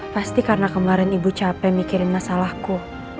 pasti karena kemarin ibu capek mikirin masalahku